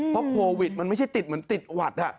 เพราะโควิดมันไม่ใช่ติดเหมือนติดหวัด